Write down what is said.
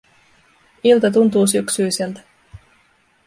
Ilta tuntuu syksyiseltä.